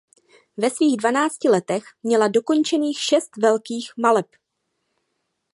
Ve svých dvanácti letech měla dokončených šest velkých maleb.